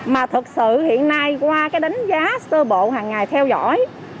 mà thật sự hiện nay qua cái đánh giá sơ bộ hàng ngày theo dõi